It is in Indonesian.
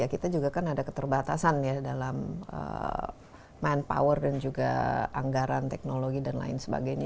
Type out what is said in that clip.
kita juga kan ada keterbatasan ya dalam manpower dan juga anggaran teknologi dan lain sebagainya